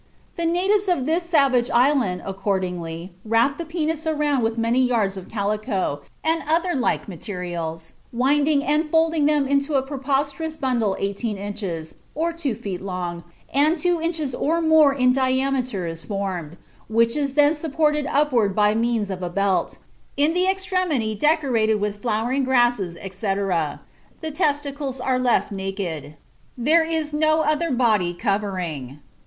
The natives of this savage island, accordingly, wrap the penis around with many yards of calico, and other like materials, winding and folding them until a preposterous bundle 18 inches, or 2 feet long, and 2 inches or more in diameter is formed, which is then supported upward by means of a belt, in the extremity decorated with flowering grasses, etc. The testicles are left naked." There is no other body covering.